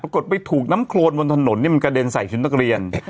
ไปถูกน้ำโครนบนถนนมันกระเด็นใส่ชุดนักเรียน